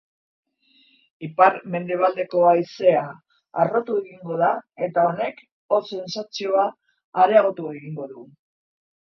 Ipar-mendebaldeko haizea harrotu egingo da eta honek hotz sentsazioa areagotu egingo du.